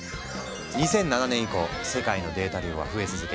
２００７年以降世界のデータ量は増え続け